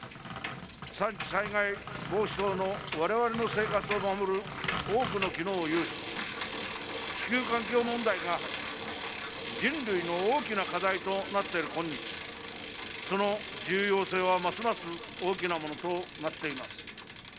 山地災害防止等のわれわれの生活を守る多くの機能を有し地球環境問題が、人類の大きな課題となっている今日その重要性は、ますます大きなものとなっています。